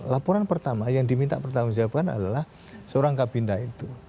laporan pertama yang diminta penanggung jawabkan adalah seorang kabin daerah itu